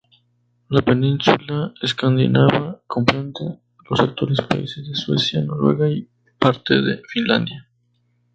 La península escandinava comprende los actuales países de Suecia, Noruega y parte de Finlandia.